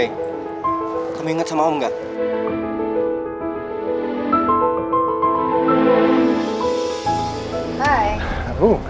eh kamu ingat sama om gak